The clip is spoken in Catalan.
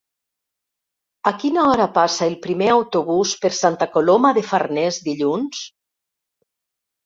A quina hora passa el primer autobús per Santa Coloma de Farners dilluns?